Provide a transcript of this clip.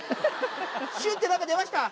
シュって何か出ました！